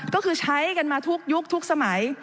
ก็คือใช้กันมาทุกยุคทุกสมัย